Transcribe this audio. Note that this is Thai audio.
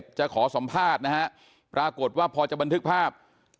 พี่ธนวิชเศษจะขอสัมภาษณ์ปรากฏว่าพอจะบันทึกภาพ